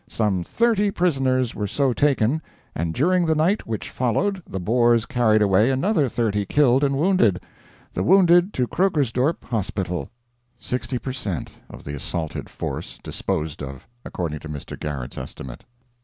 Some thirty prisoners were so taken, and during the night which followed the Boers carried away another thirty killed and wounded the wounded to Krugersdorp hospital." Sixty per cent. of the assaulted force disposed of according to Mr. Garrett's estimate.